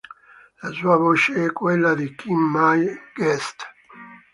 La sua voce è quella di Kim Mai Guest.